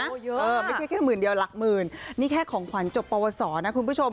เยอะเออไม่ใช่แค่หมื่นเดียวหลักหมื่นนี่แค่ของขวัญจบปวสอนะคุณผู้ชม